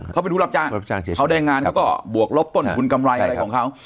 เขาเป็นผู้รับจ้างเขาได้งานเขาก็บวกลบต้นทุนกำไรอะไรของเขา